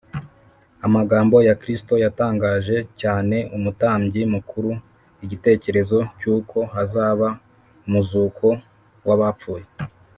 amagambo ya kristo yatangaje cyane umutambyi mukuru igitekerezo cy’uko hazaba umuzuko w’abapfuye,